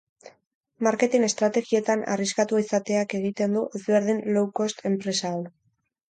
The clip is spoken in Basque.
Marketing estrategietan arriskatua izateak egiten du ezberdin low cost enpresa hau.